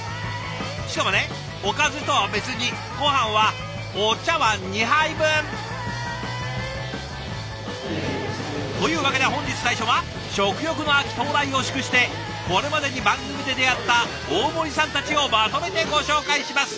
しかもねおかずとは別にごはんはお茶わん２杯分！というわけで本日最初は食欲の秋到来を祝してこれまでに番組で出会った大盛りさんたちをまとめてご紹介します。